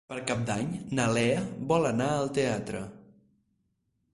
Per Cap d'Any na Lea vol anar al teatre.